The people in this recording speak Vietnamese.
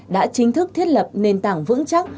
đã chính thức thiết lập nền tảng vững chắc